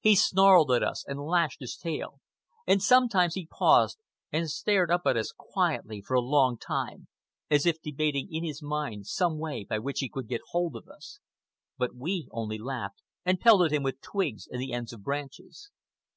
He snarled at us and lashed his tail, and sometimes he paused and stared up at us quietly for a long time, as if debating in his mind some way by which he could get hold of us. But we only laughed and pelted him with twigs and the ends of branches.